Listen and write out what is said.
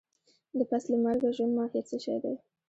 د پس له مرګه ژوند ماهيت څه شی دی؟